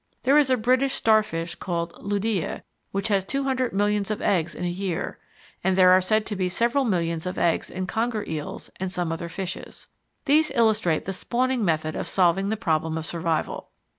There is a British starfish called Luidia which has two hundred millions of eggs in a year, and there are said to be several millions of eggs in conger eels and some other fishes. These illustrate the spawning method of solving the problem of survival.